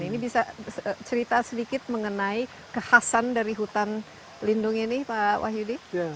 ini bisa cerita sedikit mengenai kekhasan dari hutan lindung ini pak wahyudi